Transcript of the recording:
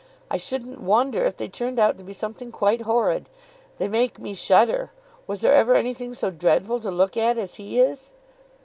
I shouldn't wonder if they turned out to be something quite horrid. They make me shudder. Was there ever anything so dreadful to look at as he is?"